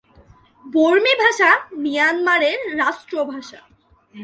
বর্মী ভাষা মিয়ানমারের রাষ্ট্রভাষা।